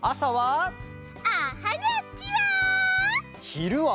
ひるは？